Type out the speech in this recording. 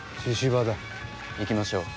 行きましょう。